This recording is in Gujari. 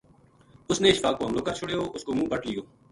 اس نے اشفاق پو حملو کر چھُڑیو اس کو منہ پٹ لیو